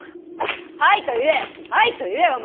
はいと言えはいと言えお万！